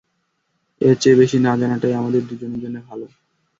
এর চেয়ে বেশি না জানাটাই আমাদের দুজনের জন্যই ভালো।